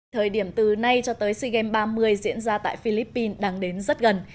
thời điểm từ nay cho tới sea games ba mươi diễn ra tại philippines đang đến rất gần